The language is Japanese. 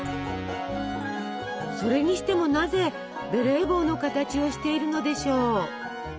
それにしてもなぜベレー帽の形をしているのでしょう。